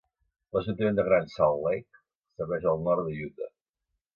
L'ajuntament de Gran Salt Lake serveix el nord de Utah.